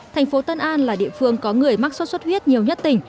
thành phố tân an là địa phương có người mắc sốt xuất huyết nhiều nhất tỉnh